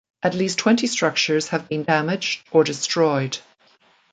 At least twenty structures have been damaged or destroyed.